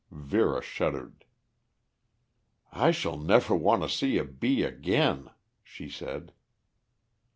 Vera shuddered. "I shall never want to see a bee again," she said.